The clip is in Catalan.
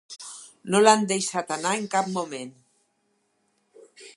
No l'ha deixat anar en cap moment.